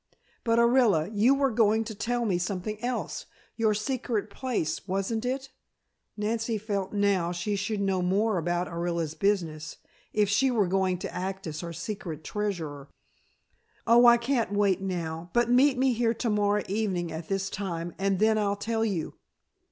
"But, Orilla, you were going to tell me something else; your secret place, wasn't it?" Nancy felt now she should know more about Orilla's business if she were going to act as her secret treasurer. "Oh, I can't wait now, but meet me here to morrow evening at this time, and then I'll tell you.